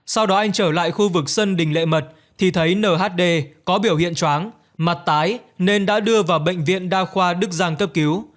sau đó anh trở lại khu vực sân đình lệ mật thì thấy nhd có biểu hiện chóng mặt tái nên đã đưa vào bệnh viện đa khoa đức giang cấp cứu